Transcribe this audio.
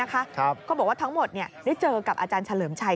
เขาบอกว่าทั้งหมดได้เจอกับอาจารย์เฉลิมชัย